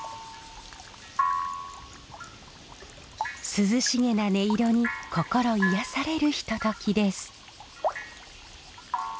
涼しげな音色に心癒やされるひとときです。